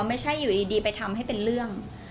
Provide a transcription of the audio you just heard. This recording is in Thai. ไม่ใช่อยู่ดีไปทำให้เป็นเรื่อง